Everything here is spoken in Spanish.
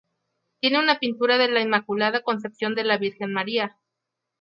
Tiene una pintura de la Inmaculada Concepción de la Virgen María.